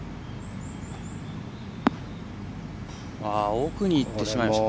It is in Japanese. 奥にいってしまいました。